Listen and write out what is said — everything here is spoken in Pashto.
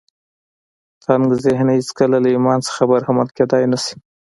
تنګ ذهن هېڅکله له ایمان څخه برخمن کېدای نه شي